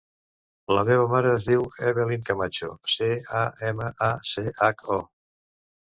La meva mare es diu Evelyn Camacho: ce, a, ema, a, ce, hac, o.